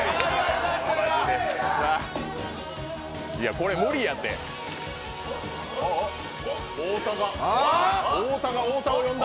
これ、無理やて太田が太田を呼んだ。